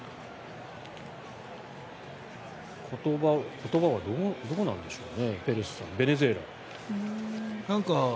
言葉はどうなんでしょうね